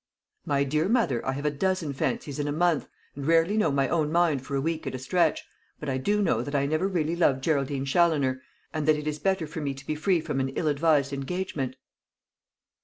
"My dear mother, I have a dozen fancies in a month, and rarely know my own mind for a week at a stretch; but I do know that I never really loved Geraldine Challoner, and that it is better for me to be free from an ill advised engagement."